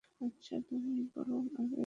আচ্ছা, তুমিই বরং আবেগী।